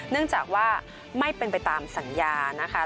เนื่องจากว่าไม่เป็นไปตามสัญญานะคะ